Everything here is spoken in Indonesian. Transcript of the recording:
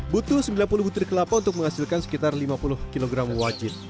butuh sembilan puluh butir kelapa untuk menghasilkan sekitar lima puluh kg wajit